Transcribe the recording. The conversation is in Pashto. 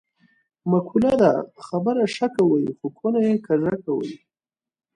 معقوله ده: خبره ښه کوې خو کونه یې کږه کوې.